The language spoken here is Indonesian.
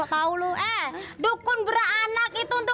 tahu lu eh dukun beranak itu untuk